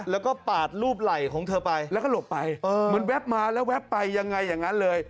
แล้วก็ปาดรูปไหล่ของเธอไปแล้วก็หลบไปเหมือนแป๊บมาแล้วแป๊บไปยังไงอย่างนั้นเลย